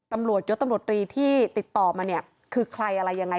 ตำรวจยศพลตำรวจรีติดต่อมาคือใครอะไรยังไง